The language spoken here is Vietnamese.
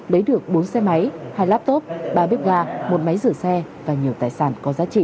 lấy được bốn xe máy hai laptop ba bếp ga một máy rửa xe và nhiều tài sản có giá trị